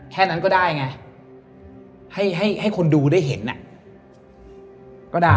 แค่นั้นก็ได้ไงให้ให้คนดูได้เห็นก็ได้